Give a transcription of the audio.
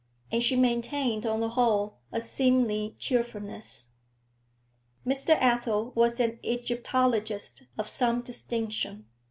And she maintained, on the whole, a seemly cheerfulness. Mr. Athel was an Egyptologist of some distinction.